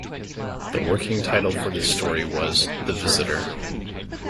The working title for this story was "The Visitor".